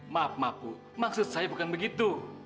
maaf ma bu maksud saya bukan begitu